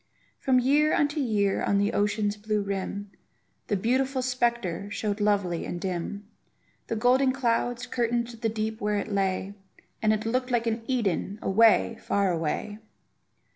From year unto year on the ocean's blue rim, The beautiful spectre showed lovely and dim; The golden clouds curtained the deep where it lay, And it looked like an Eden, away, far away!